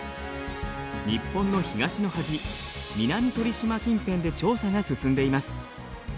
日本の東の端南鳥島近辺で調査が進んでいます。